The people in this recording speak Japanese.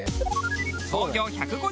創業１５８年